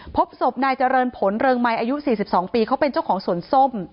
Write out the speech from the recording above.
พบศพนายเจริญผลเริงไมค์อายุ๔๒ปีเขาเป็นเจ้าของสวนส้ม